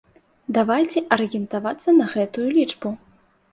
Давайце арыентавацца на гэтую лічбу.